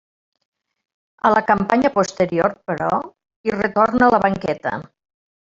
A la campanya posterior, però, hi retorna a la banqueta.